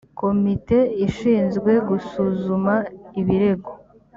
komite ishinzwe gusuzuma ibirego